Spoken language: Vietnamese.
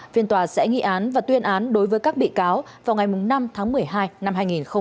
phiên tòa sẽ nghị án và tuyên án đối với các bị cáo vào ngày năm tháng một mươi hai năm hai nghìn hai mươi